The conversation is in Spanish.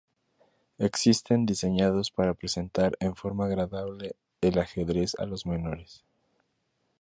Existen diseñados para presentar en forma agradable el ajedrez a los menores.